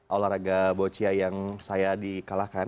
olahraga boccia yang saya di kalahkan